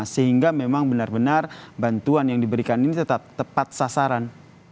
sehingga memang benar benar bantuan yang diberikan ini tetap tepat sasaran